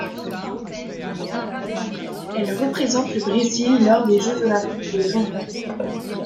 Elle représente le Brésil lors des Jeux olympiques de Londres.